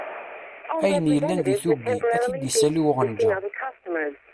Ayen yellan di tuggi ad t-id-issali uɣenǧa.